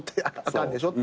「あかんでしょ」って。